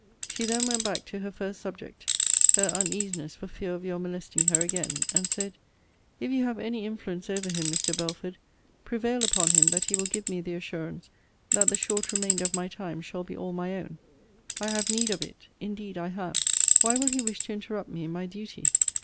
She then went back to her first subject, her uneasiness for fear of your molesting her again; and said, If you have any influence over him, Mr. Belford, prevail upon him that he will give me the assurance that the short remainder of my time shall be all my own. I have need of it. Indeed I have. Why will he wish to interrupt me in my duty?